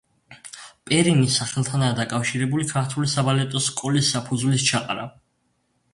პერინის სახელთანაა დაკავშირებული ქართული საბალეტო სკოლის საფუძვლის ჩაყრა.